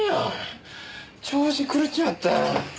調子狂っちまった。